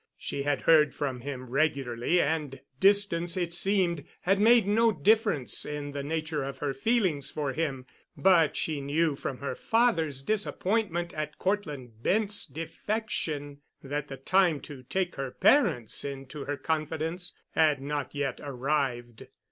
She had heard from him regularly, and distance, it seemed, had made no difference in the nature of her feelings for him, but she knew from her father's disappointment at Cortland Bent's defection that the time to take her parents into her confidence had not yet arrived.